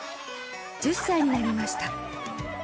１０歳になりました。